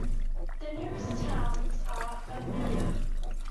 The nearest towns are Ermelo.